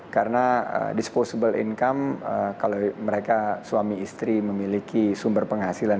karena disposable income kalau mereka suami istri memiliki sumber penghasilan